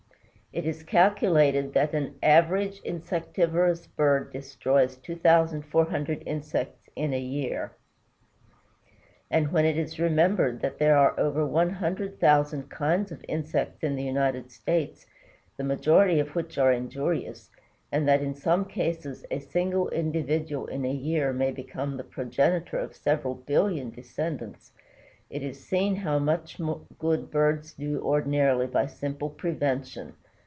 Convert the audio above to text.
It is calculated that an average insectivorous bird destroys 2,400 insects in a year; and when it is remembered that there are over 100,000 kinds of insects in the United States, the majority of which are injurious, and that in some cases a single individual in a year may become the progenitor of several billion descendants, it is seen how much good birds do ordinarily by simple prevention."